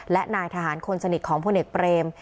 และนายทหารคนสนิทของพลเอกเปรม